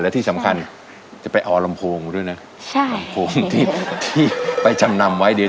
และที่สำคัญจะไปเอาลำโพงด้วยนะใช่ลำโพงที่ไปจำนำไว้เดี๋ยว